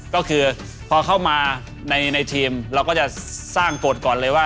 ก็คือพอเข้ามาในทีมเราก็จะสร้างกฎก่อนเลยว่า